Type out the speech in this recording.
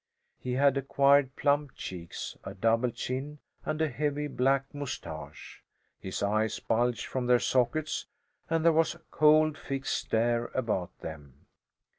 He had acquired plump cheeks, a double chin, and a heavy black moustache. His eyes bulged from their sockets, and there was a cold fixed stare about them.